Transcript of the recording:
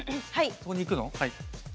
そこに行くの？